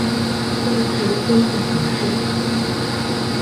官至工部主事。